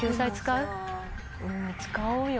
うん使おうよ。